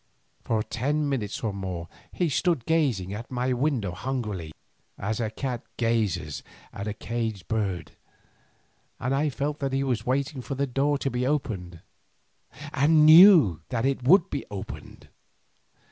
For ten minutes or more he stood gazing at my window hungrily, as a cat gazes at a caged bird, and I felt that he was waiting for the door to be opened, and knew that it would soon be opened.